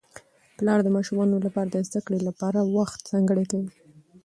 پلار د ماشومانو لپاره د زده کړې لپاره وخت ځانګړی کوي